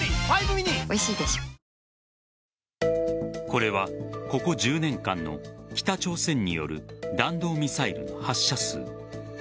これはここ１０年間の北朝鮮による弾道ミサイルの発射数。